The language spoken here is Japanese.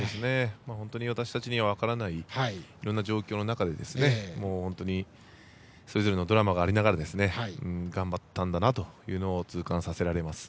私たちには分からないいろんな状況の中でそれぞれのドラマがありながら頑張ったんだなというのを痛感させられます。